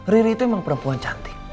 riri itu memang perempuan cantik